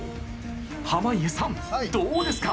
濱家さん、どうですか？